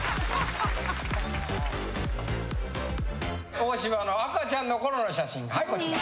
大島の赤ちゃんの頃の写真はいこちら。